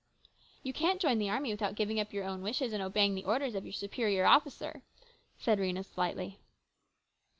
You can't join the army without giving up your own wishes and obeying the orders of your superior officer," said Rhena slyly.